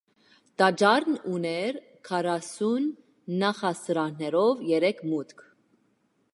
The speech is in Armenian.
Տաճարն ուներ քառասյուն նախասրահներով երեք մուտք։